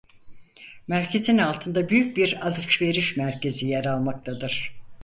Merkezin altında büyük bir alışveriş merkezi yer almaktadır.